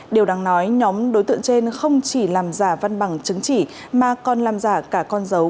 điều đáng nói nhóm đối tượng trên không chỉ làm giả văn bằng chứng chỉ mà còn làm giả cả con dấu